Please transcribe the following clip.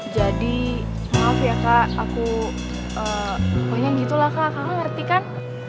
jadi maaf ya kak aku lupanya gitu lah kak kakak ngerti kan